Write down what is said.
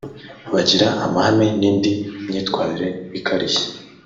bagira amahane n’indi myitwarire ikarishye